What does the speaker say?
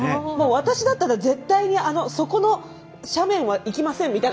もう私だったら絶対に、そこの斜面はいきません！